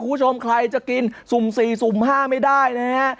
คุณผู้ชมใครจะกินสุ่ม๔สุ่ม๕ไม่ได้นะฮะ